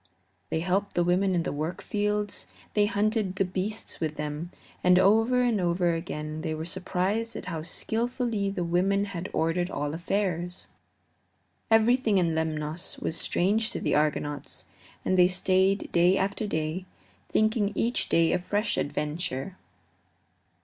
They helped the women in the work of the fields; they hunted the beasts with them, and over and over again they were surprised at how skillfully the women had ordered all affairs. Everything in Lemnos was strange to the Argonauts, and they stayed day after day, thinking each day a fresh adventure.